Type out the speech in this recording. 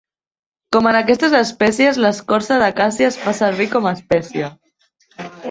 Com en aquestes espècies l'escorça de càssia es fa servir com espècia.